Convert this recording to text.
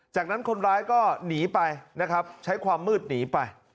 จากนั้นคนร้ายก็หนีไปนะครับใช้ความมืดหนีไป